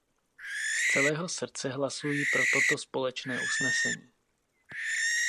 Z celého srdce hlasuji pro toto společné usnesení.